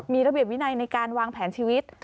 มีระเบียบวินัยในการวางแผนชีวิต